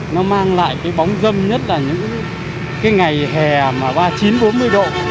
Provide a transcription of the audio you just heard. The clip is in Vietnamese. nó mang lại cái bóng dâm nhất là những cái ngày hè mà ba mươi chín bốn mươi độ